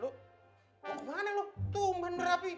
lo mau kemana lo tuh umpan berapi